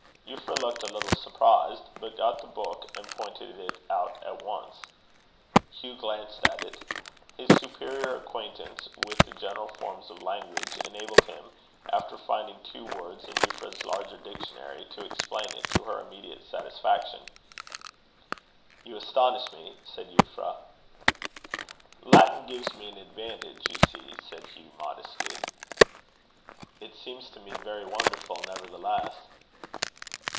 Euphra looked a little surprised; but got the book and pointed it out at once. Hugh glanced at it. His superior acquaintance with the general forms of language enabled him, after finding two words in Euphra's larger dictionary, to explain it, to her immediate satisfaction. "You astonish me," said Euphra. "Latin gives me an advantage, you see," said Hugh modestly. "It seems to be very wonderful, nevertheless."